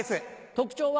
特徴は？